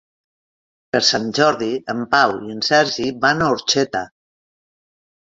Per Sant Jordi en Pau i en Sergi van a Orxeta.